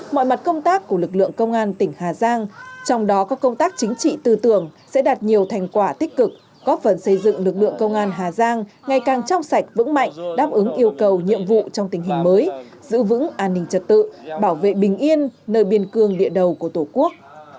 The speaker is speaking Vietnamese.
mọi mặt công tác của lực lượng công an tỉnh hà giang trong đó có công tác chính trị tư tưởng sẽ đạt nhiều thành quả tích cực góp phần xây dựng lực lượng công an hà giang ngày càng trong sạch vững mạnh đáp ứng yêu cầu nhiệm vụ trong tình hình mới giữ vững an ninh trật tự bảo vệ bình yên nơi biên cương địa đầu của tổ quốc